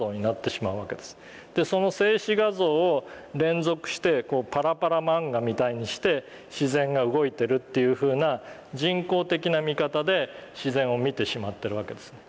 その静止画像を連続してパラパラ漫画みたいにして自然が動いてるっていうふうな人工的な見方で自然を見てしまってるわけですね。